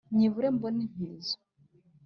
nyibure mbone intizo,